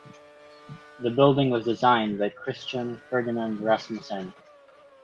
The building was designed by Christian Ferdinand Rasmussen.